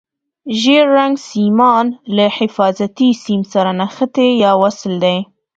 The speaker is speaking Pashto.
ژېړ رنګ سیمان له حفاظتي سیم سره نښتي یا وصل دي.